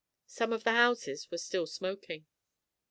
Some of the houses were still smoking.